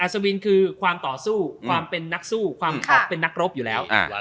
สวินคือความต่อสู้ความเป็นนักสู้ความเป็นนักรบอยู่แล้ว